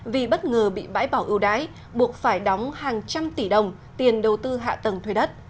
vì bất ngờ bị bãi bỏ ưu đãi buộc phải đóng hàng trăm tỷ đồng tiền đầu tư hạ tầng thuê đất